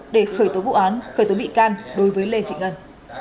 để khởi tố vụ án khởi tố bị can đối với lê thị ngân